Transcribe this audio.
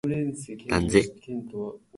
なんぜ？